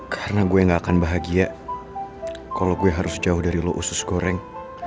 karena gue gak akan bahagia kalau gue harus jauh dari lo usus goreng